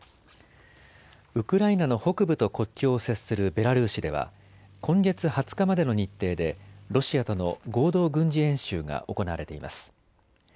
ウクライナの北部と国境を接するベラルーシでは今月２０日までの日程でロシアとの合同軍事演習が行われています。